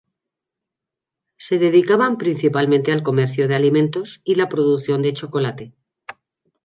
Se dedicaban principalmente al comercio de alimentos y la producción de chocolate.